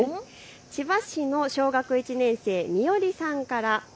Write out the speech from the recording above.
千葉市の小学１年生、みおりさんから。